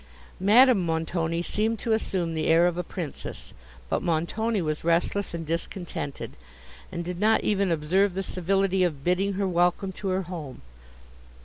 Madame Montoni seemed to assume the air of a princess; but Montoni was restless and discontented, and did not even observe the civility of bidding her welcome to her home.